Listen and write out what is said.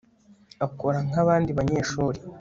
akora nkabandi banyeshuri